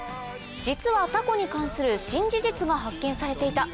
実はタコに関する新事実が発見されていた。